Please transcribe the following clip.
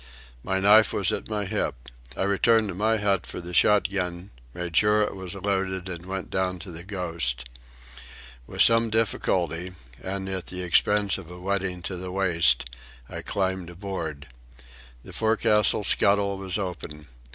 My knife was at my hip. I returned to my hut for the shot gun, made sure it was loaded, and went down to the Ghost. With some difficulty, and at the expense of a wetting to the waist, I climbed aboard. The forecastle scuttle was open.